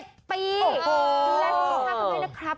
ดูแลภาพให้ด้วยนะครับ